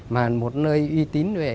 mà một nơi uy tín về